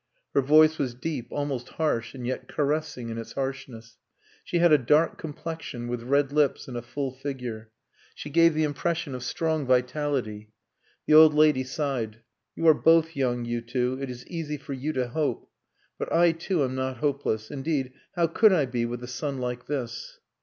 Her voice was deep, almost harsh, and yet caressing in its harshness. She had a dark complexion, with red lips and a full figure. She gave the impression of strong vitality. The old lady sighed. "You are both young you two. It is easy for you to hope. But I, too, am not hopeless. Indeed, how could I be with a son like this."